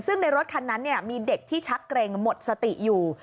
ซึ่งในรถคันนั้นมีเด็กที่ชักเกร็งหมดสติอยู่